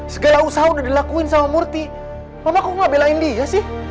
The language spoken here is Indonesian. segala usaha udah dilakuin sama murti mama aku gak belain dia sih